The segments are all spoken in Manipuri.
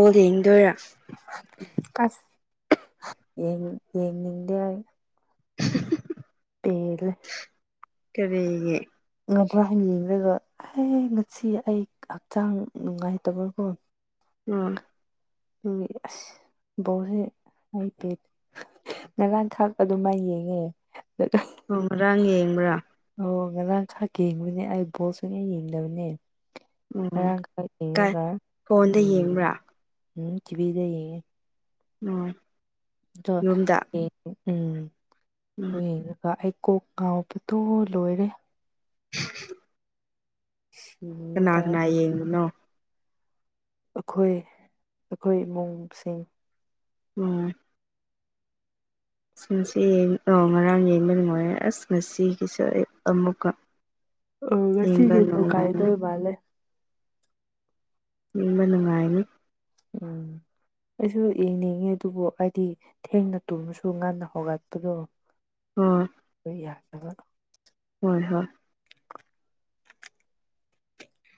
ꯣ ꯏꯗꯔ ꯁ ꯌꯦ ꯌꯦꯡꯅꯤꯡꯗꯦ ꯑꯩ [unintelligible] ꯀꯔꯤꯒꯤ ꯉꯗ꯭ꯔꯥ ꯍꯥꯏꯅ ꯌꯦꯡꯔꯥꯒ ꯑꯦ ꯉꯁꯤ ꯑꯩ ꯍꯛꯆꯥꯡ ꯅꯨꯡꯉꯥꯏꯇꯕꯀꯣ ꯎꯝ [unintelligible] ꯕꯣꯜꯁꯦ ꯑꯩꯇꯦ ꯅꯒꯥꯟ ꯊꯥꯛ ꯑꯗꯨꯝꯃꯩ ꯌꯦꯡꯉꯦ ꯊꯣꯡ ꯉꯔꯥꯡ ꯌꯦꯡꯕ꯭ꯔꯥ ꯑꯣ ꯉꯔꯥꯡ ꯈꯛ ꯌꯦꯡꯕꯅꯦ ꯑꯩ ꯕꯣꯜꯁꯨꯌꯦꯡ ꯌꯦꯡꯗꯕꯅꯦ ꯑꯣ [unintelligible] ꯀꯥꯏ ꯌꯦꯉꯒ ꯐꯣꯟꯗ ꯎꯝ ꯌꯦꯡꯕ꯭ꯔꯥ ꯎ ꯆꯤꯕꯤꯗ ꯌꯦꯉꯦ ꯎꯝ ꯌꯨꯝꯗ [unintelligible] ꯎꯝ ꯀꯣꯛ ꯉꯥꯎꯕꯗꯣ ꯂꯣꯏꯔꯦ [unintelligible] ꯁꯤꯒꯦ ꯀꯅꯥ ꯇꯧꯋꯦ ꯀꯅꯥ ꯌꯦꯡꯉꯕꯅꯣ ꯑꯩꯈꯣꯏ ꯑꯩꯈꯣꯏ ꯏꯃꯨꯡꯁꯤꯡ ꯎꯝ ꯑꯁꯁꯤ ꯉꯔꯥꯡ ꯌꯦꯡꯕ ꯅꯨꯡꯉꯥꯏꯔꯦ ꯑꯁ ꯉꯁꯤꯒꯤꯁꯨ ꯑꯩ ꯑꯃꯨꯛꯀ ꯑꯣ ꯌꯦꯡꯕ ꯉꯁꯤꯒꯤꯗꯣ ꯅꯨꯡꯉꯥꯏꯅꯤ ꯀꯥꯏꯗꯧ ꯃꯥꯂꯦ ꯅꯤꯡꯕ ꯅꯨꯡꯉꯥꯏꯅꯤ ꯎꯝ ꯑꯩꯁꯨ ꯌꯦꯡꯅꯤꯡꯉꯦ ꯑꯗꯨꯕꯨ ꯍꯥꯏꯗꯤ ꯊꯦꯡꯅ ꯇꯨꯝꯃꯁꯨ ꯉꯟꯅ ꯍꯧꯒꯠꯄꯗꯣ ꯑꯣ ꯈꯣꯏ ꯌꯥꯗꯕ ꯍꯣꯏ ꯍꯣꯏ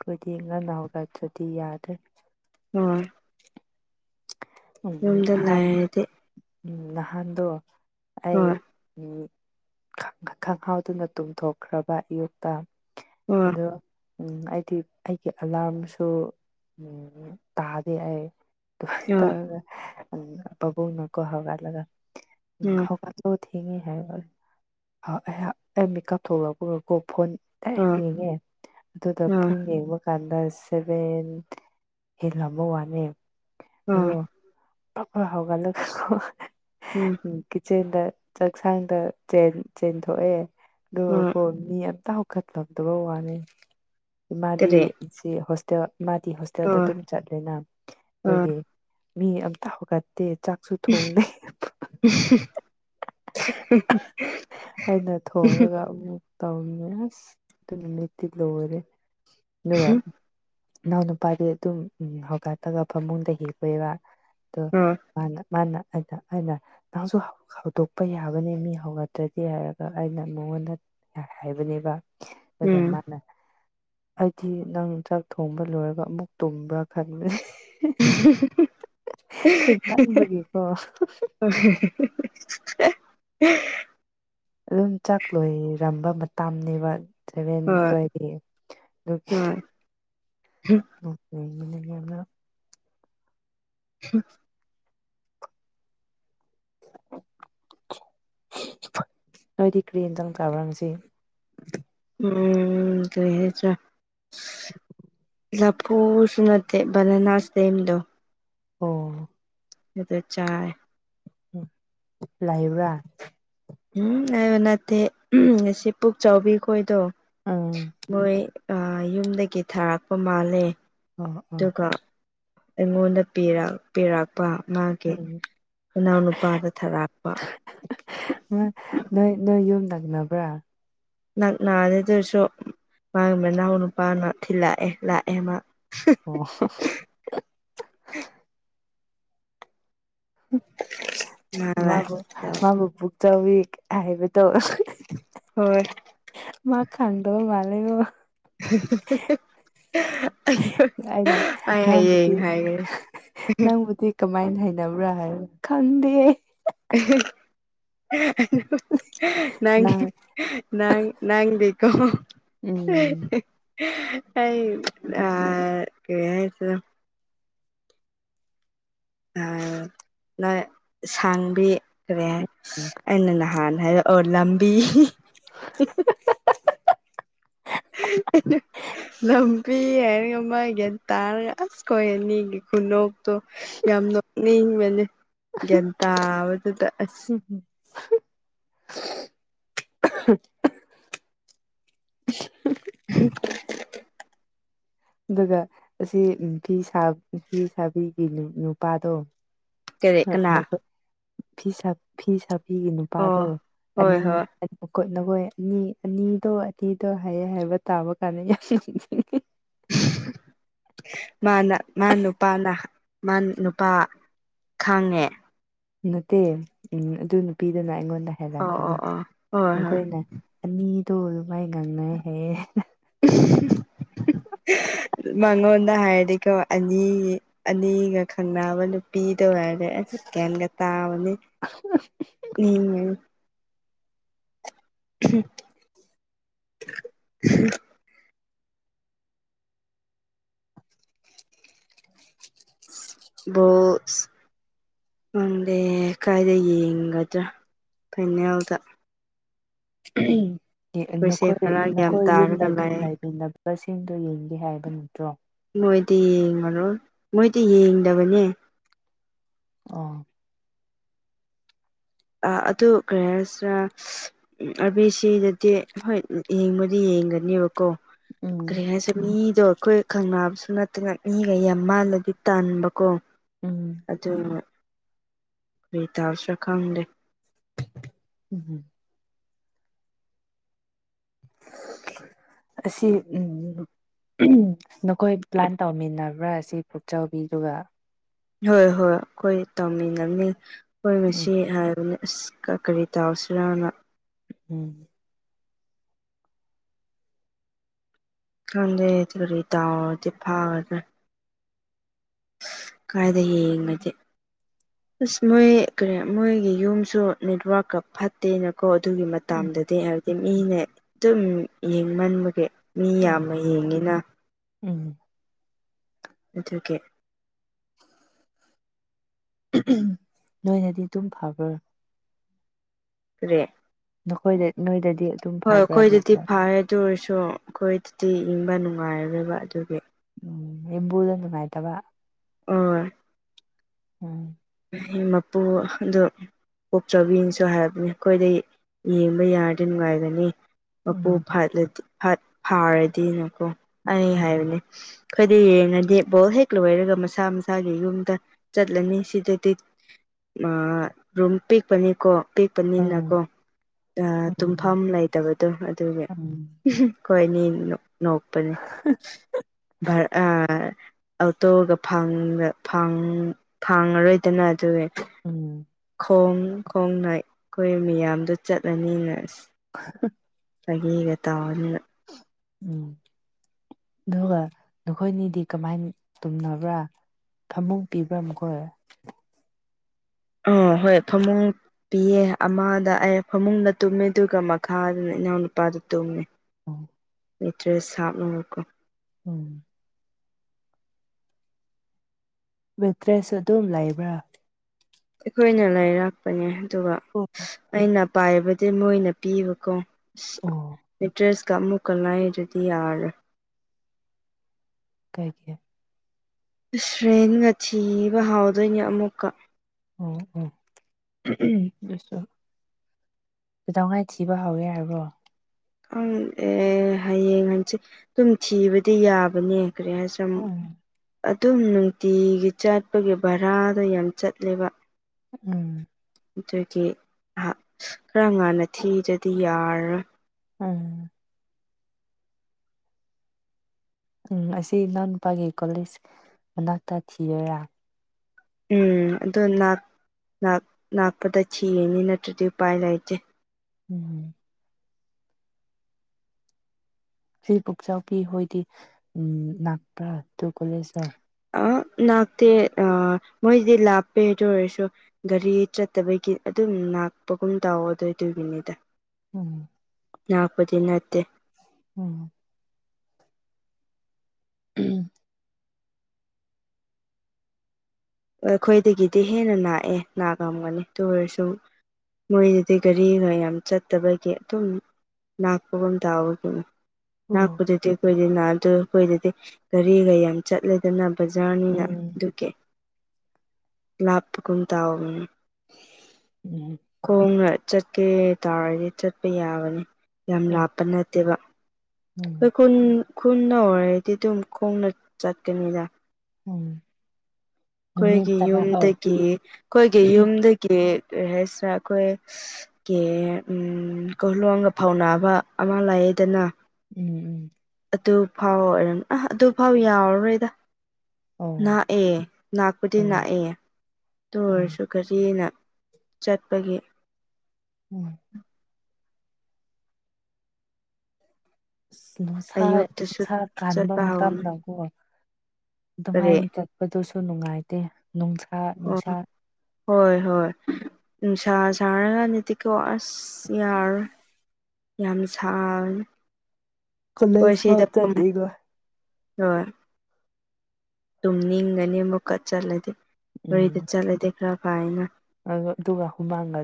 ꯈꯣꯏꯗꯤ ꯉꯟꯅꯥ ꯍꯧꯒꯠ ꯇꯔꯥꯗꯤ ꯌꯥꯗꯦ [unintelligible] ꯎꯝ ꯌꯨꯝꯗ ꯅꯍꯥꯟ ꯂꯩꯔꯗꯤ ꯎꯝ ꯅꯍꯥꯟꯗꯨ ꯑꯩ ꯍꯣꯏ ꯈꯪꯍꯥꯎꯗꯨꯅ ꯇꯨꯝꯊꯣꯛꯈ꯭ꯔꯕ ꯑꯌꯨꯛꯇ ꯍꯣꯏ ꯑꯗꯣ ꯎꯝ ꯑꯩꯗꯤ ꯑꯩꯒꯤ ꯑꯂꯥꯔꯝꯁꯨ ꯇꯥꯗꯦ ꯑꯩ ꯍꯣꯏ [unintelligible] ꯄꯕꯨꯡꯅꯀꯣ ꯍꯧꯒꯂ ꯎꯝ [unintelligible] ꯑꯣ ꯊꯦꯡꯉꯦ ꯍꯥꯏꯔꯦ ꯑꯩꯍꯥꯛ ꯑꯩ ꯃꯤꯀꯞ ꯊꯣꯛꯂꯛ ꯄꯨꯀꯥꯀꯣ ꯐꯣꯟ [unintelligible] ꯎꯝ ꯌꯦꯡꯉꯦ ꯑꯗꯨꯗ ꯎꯝ ꯄꯨꯡ ꯌꯦꯡꯕ ꯀꯥꯟꯗ ꯁꯚꯦꯟ ꯍꯤꯜ ꯑꯃ ꯋꯥꯅꯦ ꯎꯝ ꯑꯩꯌꯣ ꯇꯞꯅ ꯍꯥꯎꯒꯠꯂꯒꯀꯣ ꯎꯝ [unintelligible] ꯀꯤꯠꯆꯦꯟꯗ ꯆꯥꯛꯁꯥꯡꯗ ꯆꯦꯟ ꯆꯦꯟꯊꯣꯛꯑꯦ ꯎꯝ ꯑꯗꯨꯒꯀꯣ ꯃꯤ ꯑꯇꯥꯎ [unintelligible] ꯋꯥꯅꯦ ꯏꯃꯗꯤ ꯀꯔꯤ ꯖꯤ ꯍꯣꯁꯇꯦꯜ ꯃꯥꯗꯤ ꯍꯣꯁ [unintelligible] ꯑꯣ ꯑꯗꯨꯝ ꯆꯠꯂꯦꯅ ꯑꯣ ꯑꯗꯨꯒꯤ ꯃꯤ ꯑꯝꯇ ꯍꯧꯒꯠꯇꯦ ꯆꯥꯛꯁꯨ ꯊꯣꯡꯗꯦ [unintelligible] ꯑꯩꯅ ꯊꯣꯡꯉꯥꯒ ꯑꯃꯨꯛ ꯇꯧꯕꯅꯦ ꯑꯁ ꯑꯗꯨ ꯅꯨꯃꯤꯠꯇꯤ ꯂꯣꯏꯔꯦ ꯑ ꯎꯝ ꯑꯗꯨꯒ ꯏꯅꯥꯎ ꯅꯨꯄꯥꯗꯤ ꯑꯗꯨꯝ ꯍꯧꯒꯠꯂꯒ ꯐꯃꯨꯡꯗ ꯍꯤꯞꯄꯦꯕ ꯑꯗꯣ ꯍꯣꯏ ꯃꯥꯅ ꯃꯥꯅ ꯑꯩꯅ ꯑꯩꯅ ꯅꯪꯁꯨ ꯍꯧ ꯍꯧꯗꯣꯛ ꯑꯩ ꯌꯥꯢꯕꯅꯤ ꯃꯤ ꯍꯧꯒꯠꯇ꯭ꯔꯗꯤ ꯍꯥꯏꯔꯒ ꯑꯩꯅ ꯃꯉꯣꯟꯗ ꯍꯥꯏꯕꯅꯦꯕ ꯗꯨꯗ ꯃꯥꯅꯥ ꯑꯩꯗꯤ ꯅꯪ ꯆꯥꯛ ꯊꯣꯡꯕ ꯂꯣꯏꯔꯒ ꯑꯃꯨꯛ ꯇꯨꯝꯕ꯭ꯔꯥ ꯈꯟꯕꯅꯤ [unintelligible] ꯊꯤꯡꯃꯟꯕꯒꯤꯀꯣ [unintelligible] [unintelligible] ꯑꯗꯨꯝ ꯆꯥꯛ ꯂꯣꯏꯔꯝꯕ ꯃꯇꯝꯅꯦꯕ ꯁꯚꯦꯟ ꯍꯣꯏ ꯑꯗꯨꯋꯥꯢꯗꯤ ꯑꯗꯨ ꯅꯣꯛꯅꯤꯡꯉꯤꯅꯦ ꯌꯥꯝꯅ ꯍꯝ... ꯅꯣꯏꯗꯤ ꯀꯔꯤ ꯑꯟꯁꯥꯡ ꯆꯥꯕꯔꯥ ꯉꯁꯤ ꯎꯝ....... ꯀꯔꯤ ꯍꯥꯢꯁꯦꯔ ꯂꯐꯨꯁꯨ ꯅꯠꯇꯦ ꯕꯟꯅꯅ ꯁ꯭ꯇꯦꯝꯗꯣ ꯑꯣ...... ꯗꯨꯗ ꯆꯥꯏ ꯎ..... ꯂꯥꯏꯕ꯭ꯔꯥ ꯎꯝ ꯍꯥꯏꯕ ꯅꯠꯇꯦ ꯉꯁꯤ ꯄꯨꯛ ꯆꯥꯎꯕꯤꯈꯣꯏꯗꯣ ꯑꯝ.... ꯃꯣꯏ ꯑ.... ꯌꯨꯝꯗꯒꯤ ꯊꯥꯔꯛꯄ ꯃꯥꯜꯂꯦ ꯑꯣ ꯑꯣ ꯑꯗꯨꯒ ꯑꯩꯉꯣꯟꯗ ꯄꯤꯔꯛ ꯄꯤꯔꯛꯄ ꯃꯥꯒꯤ ꯎꯝ ꯏꯅꯥꯎꯅꯨꯄꯥꯗ ꯊꯥꯔꯛꯄ ꯅꯣꯏ ꯅꯣꯏ ꯅꯣꯢꯌꯨꯝ ꯅꯛꯅꯕ꯭ꯔꯥ ꯅꯛꯅꯥꯗꯦ ꯑꯗꯨ ꯑꯣꯢꯔꯁꯨ ꯃꯥꯒꯤ ꯃꯅꯥꯎꯅꯨꯄꯥꯅ ꯊꯤꯜꯂꯛꯑꯦ ꯂꯥꯛꯑꯦ ꯃꯥ ꯑꯣ ꯍꯣ..... ꯃꯥ ꯃꯥꯕꯨ ꯃꯥꯕꯨ ꯄꯨꯛꯆꯥꯎꯕꯤ ꯍꯥꯏꯕꯗꯣ ꯍꯣꯏ...... ꯃꯥ ꯈꯪꯗꯕ ꯃꯥꯜꯂꯦꯀꯣ ꯍꯤ ꯍꯤ.... ꯑꯩꯅ ꯑꯩ ꯍꯥꯌꯦꯡ ꯅꯪꯕꯨꯗꯤ ꯍꯥꯢꯔꯒꯦ..... ꯀꯃꯥꯏ ꯍꯩꯅꯕ꯭ꯔꯥ ꯍꯥꯏꯔꯒ ꯈꯪꯗꯦ ꯑꯍꯦ... ꯑꯍꯦ.... ꯅꯪꯒꯤ ꯅꯪ ꯅꯪ ꯅꯪꯗꯤꯀꯣ.... ꯎꯝ ꯑꯩ ꯑ.... ꯀꯔꯤ ꯍꯥꯏꯁꯦꯔ ꯑ... ꯪ ꯁꯥꯡꯕꯤ ꯀꯔꯤ ꯍꯥꯢ ꯎꯝ... ꯑꯩꯅ ꯅꯍꯥꯟ ꯍꯥꯢꯔꯛꯑꯣ ꯂꯝꯕꯤ ꯍꯤ..... ꯢꯅꯨ.... ꯂꯝꯕꯤ ꯍꯥꯏꯔꯒ ꯃꯥ ꯒ꯭ꯌꯥꯟ ꯇꯥꯔꯒ ꯑꯁ ꯈꯣꯏ ꯑꯅꯤꯒꯤ ꯈꯨꯅꯣꯛꯇꯣ ꯌꯥꯝ ꯅꯣꯛꯅꯤꯡꯕꯅꯦ ꯒ꯭ꯌꯥꯟ ꯇꯥꯕꯗꯨꯗ ꯑꯁ ꯎꯝꯝ ꯍꯝ... ꯑꯗꯨꯒ ꯑꯁꯤ ꯐꯤ ꯁꯥꯕꯤ ꯐꯤ ꯁꯥꯕꯤꯒꯤ ꯅꯨꯄꯥꯗꯣ ꯀꯔꯤ ꯑ ꯀꯅꯥ ꯅꯈꯣꯢ ꯐꯤ ꯁꯥꯕꯤꯒꯤ ꯑꯣ ꯅꯨꯄꯥꯗꯣ ꯍꯣꯏ ꯑꯅꯤ ꯍꯣꯏ ꯈꯣꯠꯅꯈꯣꯏ ꯑꯅꯤ ꯑꯅꯤꯗꯣ ꯑꯅꯤꯗꯣ ꯍꯥꯏꯌꯦꯦ ꯍꯥꯏꯕ ꯇꯥꯕ ꯀꯥꯟꯗ ꯌꯥꯝ ꯃꯥꯅ ꯃꯥ ꯅꯨꯄꯥꯅ ꯃꯥ ꯅꯨꯄꯥ ꯈꯪꯉꯦ ꯅꯠꯇꯦ ꯎꯝ ꯑꯗꯨ ꯅꯨꯄꯤꯗꯨꯅ ꯑꯩꯉꯣꯟꯗ ꯑꯣ ꯍꯂꯛꯄꯅꯤ ꯑꯣ ꯑꯣ ꯍꯣꯏ ꯍꯣꯏ ꯃꯈꯣꯏꯅ ꯑꯅꯤꯗꯣ ꯑꯗꯨ ꯃꯥꯏ ꯉꯥꯡꯅꯩꯍꯌꯦ [unintelligible] ꯃꯉꯣꯟꯗ ꯍꯥꯏꯔꯗꯤꯀꯣ ꯑꯅꯤ ꯑꯅꯤꯒ ꯈꯪꯅꯕ ꯅꯨꯄꯤꯗꯧ ꯍꯥꯏꯔꯦ ꯑꯁ ꯀꯦꯦꯜꯒ ꯇ ꯑꯃꯅꯤꯅꯤ ꯑ ꯎꯝ ꯍ ꯎ [unintelligible] ꯅꯪꯗꯦ ꯀꯥꯏꯗ ꯌꯦꯡꯒꯗ꯭ꯔꯥ ꯐꯥꯏꯅꯦꯜꯗ ꯑꯩꯈꯣꯏꯁꯦ ꯅꯈꯣꯏ ꯈꯔ ꯒ꯭ꯌꯥꯟ ꯅꯈꯣꯏ ꯌꯨꯝꯕꯤ ꯇꯥꯔꯒ ꯂꯩ ꯂꯩꯕꯤ ꯕꯁꯁꯤꯡꯗꯣ ꯌꯦꯡꯒꯦ ꯍꯥꯏꯕ ꯅꯠꯇ꯭ꯔꯣ ꯃꯣꯏꯗꯤ ꯌꯦꯡꯉꯔꯣꯏ ꯃꯣꯏꯗꯤ ꯌꯦꯡꯗꯕꯅꯦ ꯑꯣ ꯑꯥ ꯑꯗꯨ ꯀꯔꯤ ꯍꯥꯏꯁꯤꯔ ꯎꯝ ꯑꯥꯔꯕꯤ ꯁꯤꯗꯗꯤ ꯍꯣꯏ ꯌꯦꯡꯕꯗꯤ ꯌꯦꯡꯒꯅꯦꯕꯀꯣ ꯎꯝ ꯀꯔꯤ ꯍꯥꯏ ꯃꯤꯗꯣ ꯑꯩꯈꯣꯏ ꯈꯪꯅꯕꯁꯨ ꯅꯠꯇꯅ ꯃꯤꯒ ꯌꯥꯝ ꯃꯥꯜꯂꯗꯤ ꯇꯥꯟꯕꯀꯣ ꯎꯝ ꯑꯗꯨꯅ ꯀꯔꯤ ꯇꯧꯁꯤꯔ ꯈꯪꯗꯦ ꯎꯝ ꯍꯝ ꯑꯁꯤ ꯎꯝ ꯅꯈꯣꯏ ꯄ꯭ꯂꯥꯟ ꯇꯧꯃꯤꯟꯅꯕ꯭ꯔꯥ ꯁꯤ ꯄꯨꯛꯆꯧꯕꯤꯗꯨꯒ ꯍꯣꯏ ꯍꯣꯏ ꯑꯩꯈꯣꯏ ꯇꯧꯃꯤꯟꯅꯕꯅꯤ ꯑꯩꯈꯣꯏ ꯎꯝ ꯉꯁꯤ ꯍꯥꯏꯕꯅꯤ ꯑꯁ ꯀꯔꯤ ꯇꯧꯁꯤꯔꯥꯅ ꯎꯝ ꯈꯪꯗꯦ ꯇꯔꯤ ꯇꯥꯎꯔꯗꯤ ꯐꯥꯒꯗ ꯀꯥꯏꯗ ꯌꯦꯡꯉꯗꯤ ꯑꯁ ꯃꯣꯏ ꯀꯔꯤ ꯃꯣꯏꯒꯤ ꯌꯨꯝꯁꯨ ꯅꯦꯠꯋꯥꯔꯛꯀꯥ ꯐꯠꯇꯦꯅ ꯀꯣ ꯑꯗꯨꯒꯤ ꯎꯝ ꯃꯇꯝꯗꯗꯤ ꯍꯥꯏꯕꯗꯤ ꯃꯤꯅꯦ ꯑꯗꯨꯝ ꯌꯦꯡꯃꯟꯕꯒꯤ ꯃꯤ ꯌꯥꯝꯅ ꯌꯦꯡꯉꯤꯅ ꯎꯝ ꯑꯗꯨꯒꯤ ꯅꯣꯏꯅꯗꯤ ꯑꯗꯨꯝ ꯐꯕ꯭ꯔ ꯀꯥꯔꯤ ꯅꯈꯣꯏꯗ ꯅꯣꯏꯗꯗꯤ ꯑꯗꯨꯝ ꯍꯣꯏ ꯐꯕ꯭ꯔꯥꯅꯦ ꯑꯩꯈꯣꯏꯗꯗꯤ ꯑꯗꯨ ꯐꯔꯦ ꯑꯗꯨ ꯑꯣꯏꯔꯁꯨ ꯑꯩꯈꯣꯏꯗꯗꯤ ꯏꯪꯕ ꯅꯨꯡꯉꯥꯏꯔꯣꯏꯕ ꯑꯗꯨꯒꯤ ꯎꯝ ꯌꯨꯝꯕꯨꯗ ꯅꯨꯡꯉꯥꯏꯇꯕ ꯑꯣꯏ ꯎꯝ ꯃꯄꯨ ꯑꯗꯨ ꯀꯣꯛꯆꯥꯎꯕꯤꯅꯁꯨ ꯍꯥꯏꯕꯅꯤ ꯑꯩꯈꯣꯏꯗꯩ ꯌꯦꯡꯕ ꯌꯥꯔꯗꯤ ꯅꯨꯡꯉꯥꯏꯒꯅꯤ ꯃꯄꯨ ꯎꯝ ꯐꯠꯂꯗꯤꯠ ꯐꯥꯔꯗꯤꯅꯀꯣ ꯑꯩ ꯎꯝ ꯍꯥꯏꯕꯅꯤ ꯑꯩꯈꯣꯏꯗꯤ ꯌꯦꯡꯉꯗꯤ ꯕꯣꯜ ꯍꯦꯛ ꯂꯣꯏꯔꯒ ꯃꯁꯥ ꯃꯁꯥꯒꯤ ꯌꯨꯝꯗ ꯆꯠꯂꯅꯤ ꯁꯤꯗ ꯇꯤꯠ ꯑꯥ ꯔꯨꯝ ꯄꯤꯛꯄꯅꯤꯀꯣ ꯑꯥ ꯑꯥ ꯄꯤꯛꯄꯅꯤꯅꯀꯣ ꯎꯝ ꯇꯨꯝꯐꯝ ꯂꯩꯇꯕꯗꯣ ꯑꯗꯨꯒꯤ ꯎꯝ ꯈꯣꯏꯅꯤ ꯅꯣꯛꯄꯅꯦ ꯑꯥ ꯑꯣꯇꯣꯒ ꯐꯪ ꯐꯪ ꯐꯥꯡꯉꯔꯣꯏ ꯗꯅ ꯑꯗꯨꯒꯤ ꯎꯝ ꯈꯣꯡ ꯈꯣꯡꯅ ꯑꯩꯈꯣꯏ ꯃꯤꯌꯥꯝꯗꯣ ꯆꯠꯂꯅꯤꯅ ꯑꯁ [unintelligible] ꯐꯒꯤꯒ ꯇꯥꯎꯅꯤꯅ ꯎꯝ ꯑꯗꯨꯒ ꯅꯈꯣꯏꯅꯤꯗꯤ ꯀꯃꯥꯏꯅ ꯇꯨꯝꯅꯕ꯭ꯔꯥ ꯐꯃꯨꯡ ꯄꯤꯕ꯭ꯔꯥ ꯃꯈꯣꯏ ꯑꯥ ꯍꯣꯏ ꯐꯃꯨꯡ ꯄꯤꯌꯦ ꯑꯃꯗ ꯑꯩ ꯐꯃꯨꯡꯗ ꯇꯨꯝꯃꯦ ꯑꯗꯨꯒ ꯃꯈꯥꯗꯅ ꯏꯅꯥꯎꯅꯨꯄꯥꯗꯣ ꯇꯨꯝꯃꯦ [unintelligible] ꯃꯦꯇ꯭ꯔꯦꯁ ꯍꯥꯞꯅꯒ ꯀꯣ ꯎꯝ ꯃꯦꯇ꯭ꯔꯦꯁꯨ ꯑꯗꯨꯝ ꯂꯩꯕ꯭ꯔꯥ ꯑꯩꯈꯣꯏꯅ ꯂꯩꯥꯏꯔꯥꯛꯄꯅꯦ ꯑꯗꯨꯒ ꯑꯣ ꯑꯣ ꯑꯩꯅ ꯄꯥꯏꯕꯗꯤ ꯃꯣꯏꯅ ꯄꯤꯕꯀꯣ ꯑꯣ ꯃꯦꯇ꯭ꯔꯦꯁꯀꯥ ꯑꯃꯨꯛ ꯀꯥꯏ ꯑꯗꯨꯗꯤ ꯌꯥꯔ ꯀꯥꯏꯒꯤ ꯁ꯭ꯔꯦꯟꯒ ꯊꯤꯕ ꯍꯥꯎꯗꯣꯏꯅꯦ ꯑꯃꯨꯛꯀ ꯑꯣ ꯑꯣ ꯇꯧꯉꯥꯏ ꯊꯤꯕ ꯍꯧꯋꯦ ꯍꯥꯏꯔꯕꯣ ꯑꯪ ꯑꯦ ꯍꯌꯦꯡ ꯍꯪꯁ ꯑꯗꯨꯝ ꯊꯤꯕꯗꯤ ꯌꯥꯕꯅꯦ ꯀꯔꯤ ꯍꯥꯏꯁ ꯎꯝ ꯑꯗꯨꯝ ꯅꯨꯡꯇꯤꯒꯤ ꯆꯥꯠꯄꯒꯤ ꯚꯔꯥꯗ ꯌꯥꯝ ꯆꯠꯂꯦꯕ ꯎꯝ ꯑꯗꯨꯒꯤ ꯈꯔ ꯉꯥꯟꯟꯅ ꯊꯤꯗꯗꯤ ꯌꯥꯔꯣꯏ ꯎꯝ ꯎꯝ ꯑꯁꯤ ꯏꯅꯥꯎ ꯅꯨꯨꯄꯥꯒꯤ ꯀꯣꯂꯦꯖ ꯃꯅꯥꯛꯇ ꯊꯤꯔꯣꯏꯔꯥ ꯎꯝ ꯑꯗꯣ ꯉꯛꯄꯗ ꯊꯅꯤ ꯅꯠꯇ꯭ꯔꯗꯤ ꯎꯄꯥꯏ ꯂꯩꯇꯦ ꯎꯝ ꯁꯤ ꯄꯨꯛꯆꯥꯎꯕꯤ ꯍꯣꯏꯗꯤ ꯎꯝ ꯂꯥꯛꯄ꯭ꯔ ꯇꯨ ꯀꯣꯂꯦꯖ ꯑ ꯅꯥꯛꯇꯦ ꯑ ꯃꯣꯏꯁꯤꯗꯤ ꯂꯥꯞꯄꯦꯗ ꯑꯣꯏꯔꯁꯨ ꯒꯥꯔꯤ ꯆꯠꯇꯕꯒꯤ ꯑꯗꯨꯝ ꯂꯥꯛꯄꯒꯨꯝ ꯇꯧꯑꯣ ꯑꯗꯨ ꯑꯣꯏꯗꯣꯏ ꯃꯤꯅꯤꯗ ꯎꯝ ꯉꯥꯛꯄꯗꯤ ꯅꯠꯇꯦ ꯎꯝ ꯎꯝ ꯑꯩꯈꯣꯏꯗꯒꯤꯗꯤ ꯍꯦꯟꯅ ꯥꯛꯑꯦ ꯅꯥ ꯉꯝꯒꯅꯤ ꯇ ꯑꯣꯏꯔꯁꯨꯨꯝ ꯃꯣꯏꯗꯤ ꯒꯥꯔꯤꯅ ꯌꯥꯝ ꯆꯠꯇꯕꯒꯤ ꯑꯗꯨꯝ ꯂꯥꯛꯄꯒ ꯇꯥꯕꯒꯅꯤ ꯎꯝ ꯅꯥꯛꯄꯗꯗꯤ ꯑꯩꯈꯣꯏꯗꯤ ꯅꯥꯗ ꯑꯩꯈꯣꯏꯗꯗꯤ ꯒꯥꯔꯤꯒ ꯌꯥꯝ ꯆꯠꯂꯦꯗꯅ ꯕꯖꯥꯔꯅꯤꯅ ꯑꯗꯨꯀꯦ ꯂꯥꯞꯄꯒꯨꯝ ꯇꯥꯎꯒꯅꯤ ꯎꯝ ꯈꯣꯡꯅ ꯆꯠꯀꯦ ꯇꯥꯔꯗꯤ ꯆꯠꯄ ꯌꯥꯕꯅꯤ ꯌꯥꯝ ꯂꯥꯞꯄ ꯅꯠꯇꯦꯕ ꯎꯝ ꯑꯩꯈꯣꯏ ꯈꯨꯟ ꯈꯨꯟꯅ ꯑꯣꯏꯔꯗꯤ ꯑꯗꯨꯝ ꯈꯣꯡꯅ ꯆꯠꯀꯅꯤꯗ ꯎꯝ ꯅꯨꯃꯤꯠ ꯑꯩꯈꯣꯏꯒꯤ ꯇꯔꯥ ꯑꯣ ꯌꯨꯝꯗꯒꯤ ꯑꯩꯈꯣꯏꯒꯤ ꯌꯨꯝꯗꯒꯤ ꯀꯔꯤ ꯍꯥꯏꯁꯤꯔꯥ ꯑꯩꯈꯣꯏ ꯀꯦ ꯎ ꯀꯣꯂꯣꯡꯒ ꯐꯥꯎꯅꯕ ꯑꯃ ꯂꯥꯛꯑꯗꯅ ꯎꯝ ꯎꯝ ꯑꯗꯨꯐꯥꯎ ꯑꯣꯏꯔꯝ ꯑꯥ ꯑꯗꯨꯐꯥꯎ ꯌꯥꯎꯔꯔꯣꯏꯗ ꯑꯣ ꯂꯥꯛꯑꯦ ꯉꯥꯛꯄꯗꯤ ꯑꯣ ꯂꯥꯛꯑꯦ ꯑꯣ ꯑꯣ ꯇꯨꯔꯁꯨ ꯀꯔꯤꯅ ꯆꯠꯄꯒꯤ ꯎꯝ ꯑ ꯅꯨꯡꯁꯥ ꯑꯌꯨꯛꯇꯁꯨ ꯁꯥꯥ ꯀꯥꯟꯕ ꯆꯠꯄ ꯍꯧꯅꯤ ꯃꯇꯝꯗꯀꯣ ꯀꯔꯤ ꯑꯗꯨꯃꯥꯏꯅ ꯆꯠ ꯑꯗꯨꯗꯨꯁꯨ ꯅꯨꯡꯉꯥꯏꯇꯦ ꯅꯨꯡꯁꯥ ꯅꯨꯡꯁꯥ ꯑꯣ ꯍꯣꯏ ꯍꯣꯏ ꯅꯨꯡꯁꯥ ꯁꯥꯔꯒꯗꯤ ꯇꯤꯀꯣ ꯑꯁ ꯌꯥꯔꯣꯏ ꯌꯥꯝ ꯁꯥꯡ ꯀꯣꯂꯦꯖ ꯐꯥꯎ ꯀꯁꯤꯗ ꯆꯠꯂꯤꯒꯣ ꯍꯣꯏ ꯇꯨꯝꯅꯤꯡꯒꯅꯤ ꯑꯃꯨꯛꯀ ꯆꯠꯂꯗꯤꯦ ꯎꯝ ꯃꯣꯔꯣꯏꯗ ꯆꯠꯂꯗꯤ ꯈꯔ ꯐꯅ ꯑꯗꯨꯒ ꯍꯨꯃꯥꯡꯒ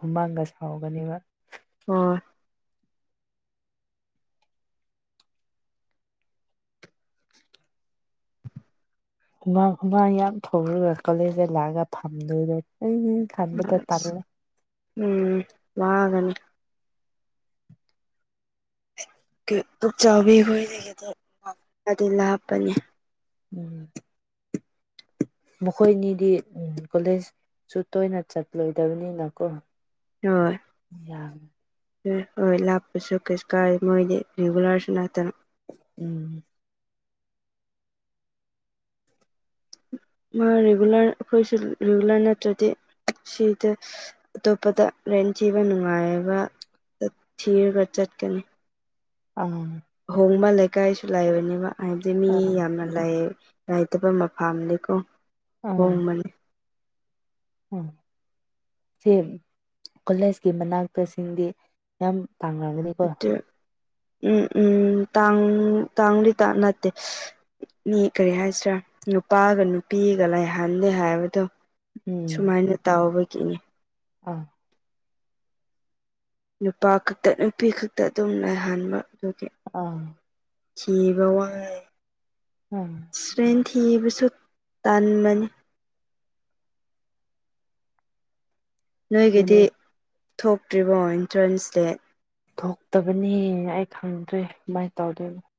ꯍꯨꯃꯥꯡꯒ ꯁꯥꯎꯒꯅꯦꯕ ꯑꯣ ꯍꯨꯃꯥꯡ ꯍꯨꯃꯥꯡ ꯌꯥꯝ ꯊꯧꯔꯒ ꯀꯣꯂꯦꯖꯇ ꯂꯥꯛꯑꯒ ꯐꯝꯗꯣꯏꯗꯣ ꯑꯩꯩꯅ ꯈꯟꯕꯗ ꯄꯜꯂꯦ ꯑꯁ ꯎꯝ ꯃꯥꯒꯅꯤ ꯄꯨꯛꯆꯥꯎꯕꯤ ꯈꯣꯏꯗꯒꯤ ꯑꯗꯨꯗꯤ ꯂꯥꯞꯄꯅꯦ ꯎꯝ ꯃꯈꯣꯏꯅꯤꯗꯤ ꯎꯝ ꯀꯣꯂꯦꯖ ꯁꯨ ꯇꯣꯏꯅ ꯆꯠꯂꯣꯏꯗꯕꯅꯤꯅ ꯀꯣ ꯍ ꯎꯝ ꯍ ꯍꯣꯏ ꯂꯥꯛꯄꯁꯨ ꯀꯩꯁꯨ ꯀꯥꯏ ꯃꯣꯏꯗꯤ ꯔꯤꯒꯨꯂꯔꯁꯨ ꯅꯠꯇꯅ ꯎꯝ ꯃꯥ ꯔꯤꯒꯨꯂꯔ ꯑꯩꯈꯣꯏꯁꯨ ꯔꯤꯒꯨꯂꯔ ꯅꯠꯇ꯭ꯔꯗꯤ ꯁꯤꯗ ꯑꯇꯣꯞꯄꯗ ꯔꯦꯟ ꯊꯤꯕ ꯅꯨꯡꯉꯥꯏꯕ ꯊꯤꯔꯒ ꯆꯠꯀꯅꯤ ꯎꯝ ꯑꯍꯣꯡꯕ ꯂꯩꯀꯥꯏꯁꯨ ꯂꯥꯏꯕꯅꯦꯕ ꯍꯥꯏꯕꯗꯤ ꯃꯤ ꯑꯥ ꯌꯥꯝꯅ ꯂꯩꯏꯇꯕ ꯃꯐꯝꯥꯝꯅꯤꯀꯣ ꯍꯣꯡꯕꯅꯤ ꯎꯝ ꯁꯤ ꯀꯣꯂꯦꯖꯀꯤ ꯃꯅꯥꯛꯇꯁꯤꯡꯗꯤ ꯌꯥꯝ ꯇꯥꯡꯅꯒꯅꯤ ꯎꯝ ꯎꯝ ꯇꯥꯡ ꯇꯥꯡꯂꯤ ꯇꯥꯟ ꯅꯠꯇꯦ ꯃꯤ ꯀꯔꯤ ꯍꯥꯏꯁꯤꯔꯥ ꯅꯨꯄꯥꯒ ꯅꯨꯄꯤꯒ ꯂꯩꯥꯏꯍꯟꯂꯦ ꯍꯥꯏꯕꯗꯣ ꯁꯨꯃꯥꯏꯅ ꯇꯥꯎꯕꯒꯤꯅꯦ ꯎꯝ ꯅꯨꯄꯥ ꯈꯛꯇ ꯅꯨꯄꯤ ꯈꯛꯇ ꯑꯗꯨꯝ ꯂꯥꯏꯍꯟꯕ ꯑꯗꯨꯒꯤ ꯑꯥ ꯀꯕꯥꯎ ꯑꯉ ꯎꯝ ꯑꯦꯛꯁꯤꯗꯦꯟ ꯊꯤꯕꯁꯨ ꯇꯥꯟꯕꯅꯤ ꯅꯣꯏꯒꯤꯗꯤ ꯑꯗꯨꯅꯦ ꯊꯣꯛꯇ꯭ꯔꯤꯕꯣ ꯑꯦꯟꯇ꯭ꯔꯦꯟꯁꯇꯦ ꯄꯨ ꯊꯣꯛꯇꯕꯅꯦꯅ ꯑꯩ ꯈꯪꯗ꯭ꯔꯦ ꯀꯃꯥꯏꯅ ꯇꯧꯗꯣꯏꯅ